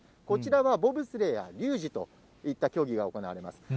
こちらはボブスレーやリュージュといった競技が行われます。